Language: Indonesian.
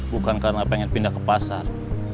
bukan karena pengen pindah ke pasar